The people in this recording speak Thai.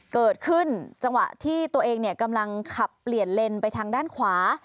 จังหวะที่ตัวเองกำลังขับเปลี่ยนเลนไปทางด้านขวา